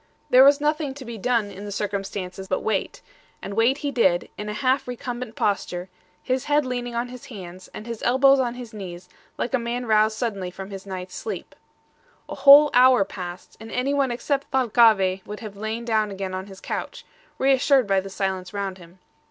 There was nothing to be done in the circumstances but wait; and wait he did, in a half recumbent posture, his head leaning on his hands, and his elbows on his knees, like a man roused suddenly from his night's sleep. A whole hour passed, and anyone except Thalcave would have lain down again on his couch, reassured by the silence round him.